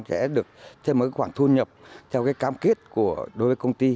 sẽ được thêm một khoản thu nhập theo cái cam kết đối với công ty